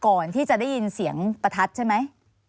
ก่อนที่จะได้ยินเสียงประทัดใช่ไหม